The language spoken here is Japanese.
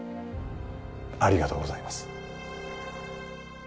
ありがとうございます